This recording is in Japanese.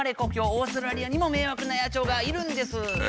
オーストラリアにも迷惑な野鳥がいるんです。